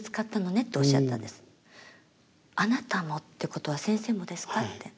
「あなたも」ってことは先生もですかって。